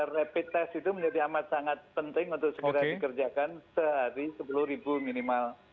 rapid test itu menjadi amat sangat penting untuk segera dikerjakan sehari sepuluh ribu minimal